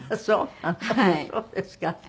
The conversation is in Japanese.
そうですか。